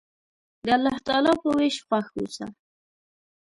د الله تعالی په ویش خوښ اوسه.